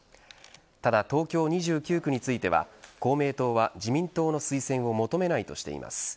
ただ東京２９区については公明党は自民党の推薦を求めないとしています。